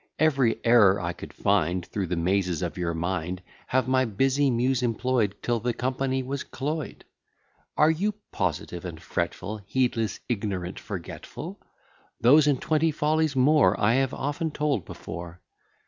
Every error I could find Through the mazes of your mind, Have my busy Muse employ'd, Till the company was cloy'd. Are you positive and fretful, Heedless, ignorant, forgetful? Those, and twenty follies more, I have often told before.